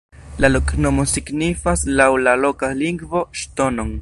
La loknomo signifas laŭ la loka lingvo ŝtonon.